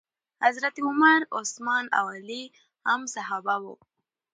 حضرت عمر، عثمان او علی هم صحابه وو.